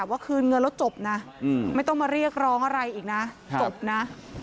ว่าคืนเงินแล้วจบนะไม่ต้องมาเรียกร้องอะไรอีกนะจบนะ